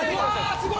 すごい！